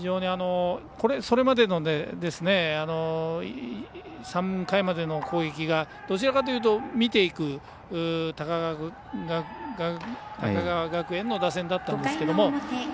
それまでの３回までの攻撃がどちらかというと見ていく高川学園の打線だったんですけど。